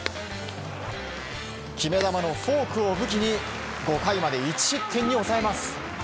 決め球のフォークを武器に５回まで１失点に抑えます。